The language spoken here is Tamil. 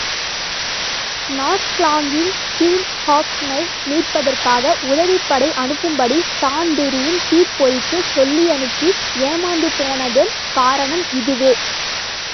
நாக்லாங்கில் ஸீன் ஹோகனை மீட்பதற்காக உதவிப்படை அனுப்பும்படி தான்பிரீன் திப்பெரரிக்குச் சொல்லியனுப்பி ஏமாந்து போனதன் காரணம் இதுவே.